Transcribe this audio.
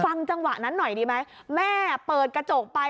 จังหวะนั้นหน่อยดีไหมแม่เปิดกระจกไป